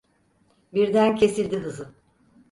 Birden kesildi hızı.